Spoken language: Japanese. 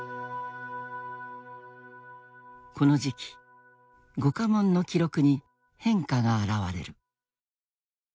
この時期御下問の記録に変化が現れる。